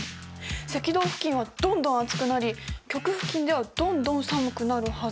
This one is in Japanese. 赤道付近はどんどん暑くなり極付近ではどんどん寒くなるはず。